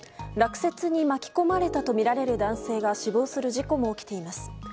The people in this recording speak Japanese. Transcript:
落雪に巻き込まれたとみられる男性が死亡する事故も起きています。